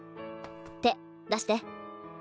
手出して。